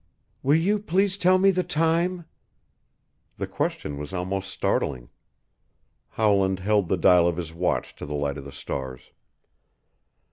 "Will you please tell me the time?" The question was almost startling. Howland held the dial of his watch to the light of the stars.